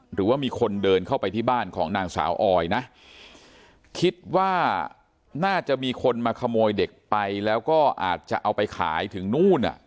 หรือว่ามีคนเดินเข้าไปที่บ้านของนางสาวออยนะคิดว่าน่าจะมีคนมาขโมยเด็กไปแล้วก็อาจจะเอาไปขายถึงนู่นอ่ะ